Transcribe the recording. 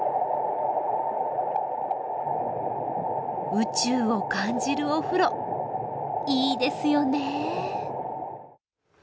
宇宙を感じるお風呂いいですよね。